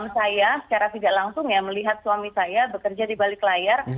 saya secara tidak langsung ya melihat suami saya bekerja di balik layar